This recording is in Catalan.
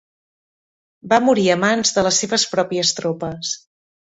Va morir a mans de les seves pròpies tropes.